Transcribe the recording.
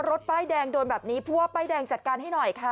ป้ายแดงโดนแบบนี้ผู้ว่าป้ายแดงจัดการให้หน่อยค่ะ